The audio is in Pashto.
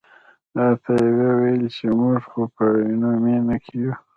راته یې وویل چې موږ خو په عینومېنه کې یو.